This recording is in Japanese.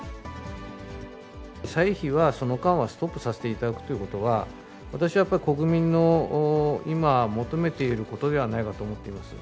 歳費はその間はストップさせていただくということは、私はやっぱり国民の今、求めていることではないかと思っています。